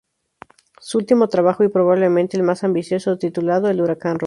Su último trabajo y probablemente el más ambicioso, titulado "El huracán rojo.